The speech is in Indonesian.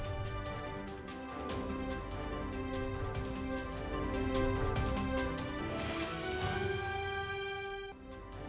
dan ini adalah kembali